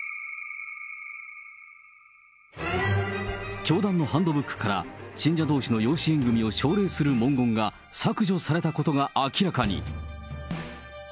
教団のハンドブックから、信者どうしの養子縁組を奨励する文言が削除されたことが明らかに。